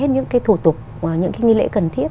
những cái thủ tục những cái nghi lễ cần thiết